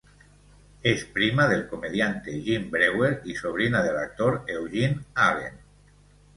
Es prima del comediante Jim Breuer y sobrina del actor Eugene Allen.